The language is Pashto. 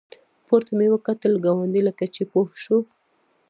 پورته مې وکتل، ګاونډي لکه چې پوه شو.